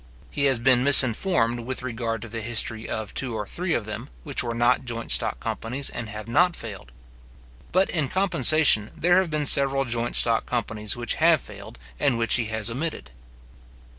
He has been misinformed with regard to the history of two or three of them, which were not joint stock companies and have not failed. But, in compensation, there have been several joint stock companies which have failed, and which he has omitted.